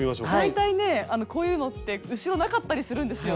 大体ねあのこういうのって後ろなかったりするんですよ。